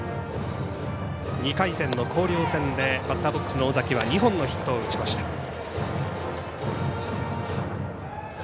２回戦の広陵戦でバッターボックスの尾崎は２本のヒットを打ちました。